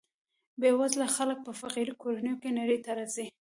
بې وزله خلک په فقیر کورنیو کې نړۍ ته راځي.